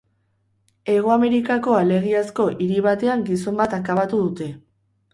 Hego Amerikako alegiazko hiri batean gizon bat akabatu dute.